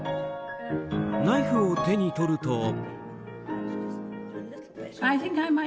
ナイフを手に取ると。